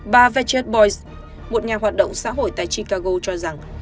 bà veget boys một nhà hoạt động xã hội tại chicago cho rằng